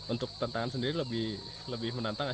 untuk tantangan sendiri lebih menantang ya